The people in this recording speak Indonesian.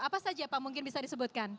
apa saja pak mungkin bisa disebutkan